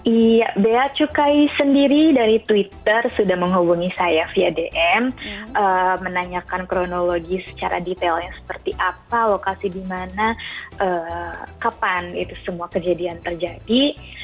iya bea cukai sendiri dari twitter sudah menghubungi saya via dm menanyakan kronologi secara detailnya seperti apa lokasi di mana kapan itu semua kejadian terjadi